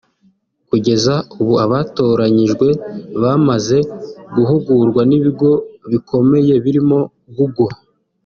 Kugeza ubu abatoranyijwe bamaze guhugurwa n’ibigo bikomeye birimo google